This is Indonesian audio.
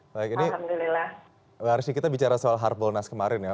baik ini mbak arsy kita bicara soal harbolnas kemarin ya